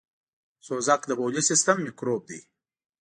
سوزک دبولي سیستم میکروب دی .